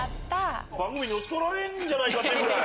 番組乗っ取られんじゃないかってぐらい。